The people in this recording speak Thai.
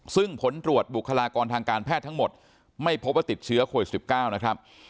ซึ่งผลตรวจบุคลากรทางการแพทย์ทั้งหมดไม่พบว่าติดเชื้อโควิด๑๙นะครับ